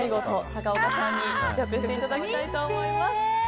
高岡さんに試食していただきたいと思います。